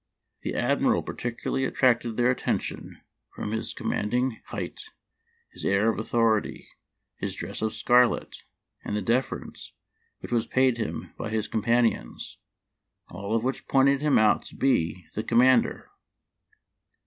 The Admiral particularly attracted their attention from his commanding height, his air of authority, his dress of scarlet, and the deference which was paid him by his companions — all of which pointed him out to be the commander.